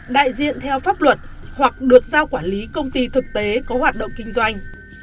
đại diện theo pháp luật hoặc được giao quản lý công ty thực tế có hoạt động kinh doanh